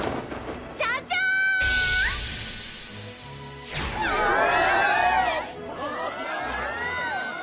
じゃじゃんわあっ！